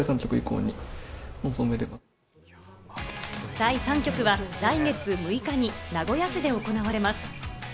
第３局は来月６日に名古屋市で行われます。